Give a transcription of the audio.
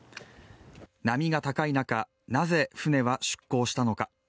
波が高い中、なぜ船は出航したのか。